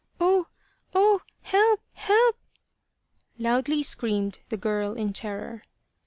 " Oh, oh, help, help !" loudly screamed the girl in terror.